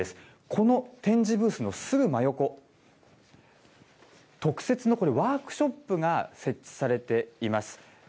この展示ブースのすぐ真横、特設のこれ、ワークショップが設置されています。